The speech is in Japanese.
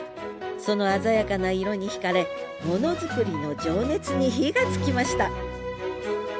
その鮮やかな色にひかれものづくりの情熱に火がつきました。